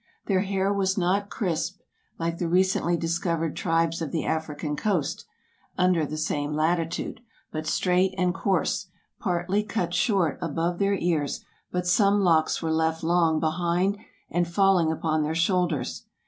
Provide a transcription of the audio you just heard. Their hair was not crisped, like the recently discovered tribes of the African coast, under the same latitude; but straight and coarse, partly cut short above the ears, but some locks were left long behind and falling upon their shoulders.